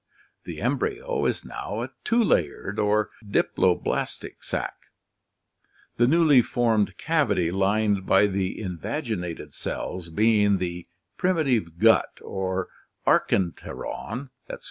The embryo is now a two layered or diploblastic sac, the newly formed cavity lined by the invaginated cells being the primitive gut or archenteron (Gr.